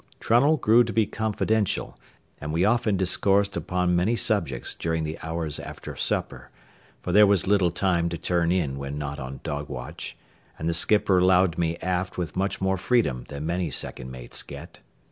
Trunnell grew to be confidential, and we often discoursed upon many subjects during the hours after supper; for there was little time to turn in when not on dog watch, and the skipper allowed me aft with much more freedom than many second mates get.